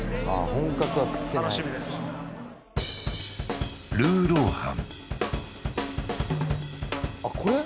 本格は食ってないあっこれ？